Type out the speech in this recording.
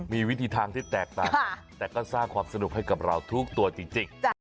มีวิธีทางที่แตกต่างกันแต่ก็สร้างความสนุกให้กับเราทุกตัวจริง